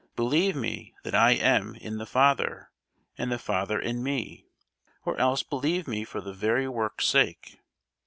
Believe me that I am in the Father, and the Father in me: or else believe me for the very works' sake.